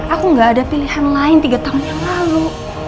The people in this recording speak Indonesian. aku gak ada pilihan lain tiga tahun yang lalu